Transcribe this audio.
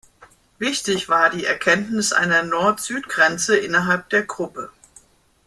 Wichtig war die Erkenntnis einer Nord-Süd-Grenze innerhalb der Gruppe.